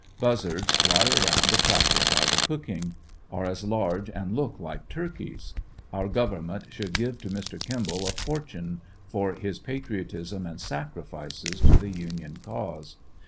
Buzzards fly around attracted by the cooking. Are as large and look like turkeys. Our government should give to Mr. Kimball a fortune for his patriotism and sacrifices to the Union cause.